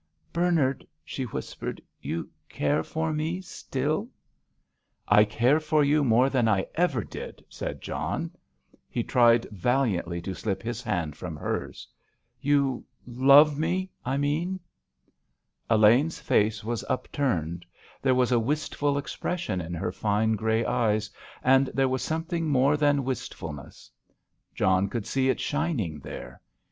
"Bernard," she whispered, "you care for me still——" "I care for you more than ever I did," said John. He tried valiantly to slip his hand from hers. "You love me, I mean?" Elaine's face was upturned; there was a wistful expression in her fine, grey eyes, and there was something more than wistfulness. John could see it shining there.